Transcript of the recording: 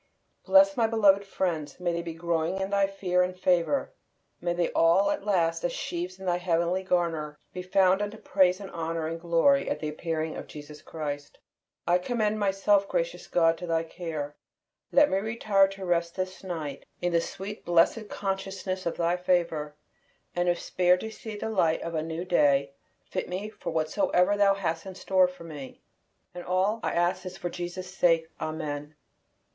Bless my beloved friends; may they be growing in thy fear and favor; may they all at last, as sheaves in thy heavenly garner, be found unto praise and honor and glory at the appearing of Jesus Christ. I commend myself, gracious God, to Thy care; let me retire to rest this night in the blessed consciousness of Thy favor; and if spared to see the light of a new day, fit me for whatsoever Thou hast in store for me. And all I ask is for Jesus' sake. Amen.